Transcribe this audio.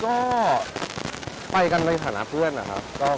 คือเราคุยกันเหมือนเดิมตลอดเวลาอยู่แล้วไม่ได้มีอะไรสูงแรง